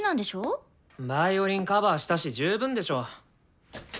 ヴァイオリンカバーしたし十分でしょ。